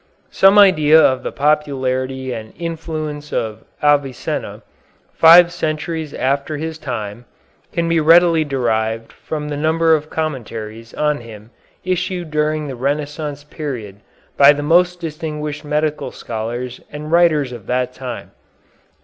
Some idea of the popularity and influence of Avicenna, five centuries after his time, can be readily derived from the number of commentaries on him issued during the Renaissance period by the most distinguished medical scholars and writers of that time.